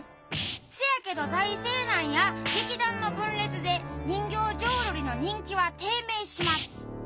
せやけど財政難や劇団の分裂で人形浄瑠璃の人気は低迷します。